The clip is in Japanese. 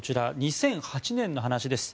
２００８年の話です。